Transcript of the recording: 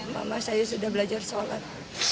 mama saya sudah belajar sholat